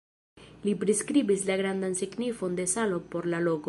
Li priskribis la grandan signifon de salo por la loko.